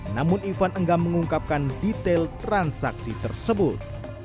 namun ivan enggan mengungkapkan detail transaksi tersebut